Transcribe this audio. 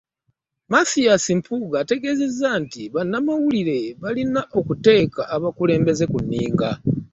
Mathias Mpuuga ategeezezza nti bannamawulire balina okuteeka abakulembeze ku nninga.